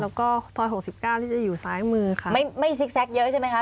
แล้วก็ซอยหกสิบเก้านี่จะอยู่ซ้ายมือค่ะไม่ไม่ซิกแซกเยอะใช่ไหมค่ะ